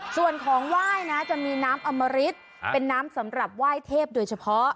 ส่วนของไหว้นะจะมีน้ำอมริตเป็นน้ำสำหรับไหว้เทพโดยเฉพาะ